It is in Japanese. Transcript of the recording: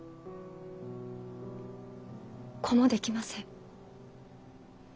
子も出来ません。